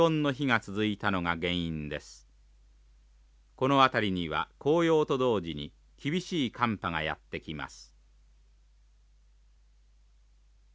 この辺りには紅葉と同時に厳しい寒波がやって来ます。